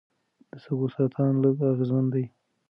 د سږو سرطان لږ اغېزمن دی.